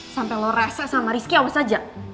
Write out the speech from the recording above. sampai lo rese sama rizky awas aja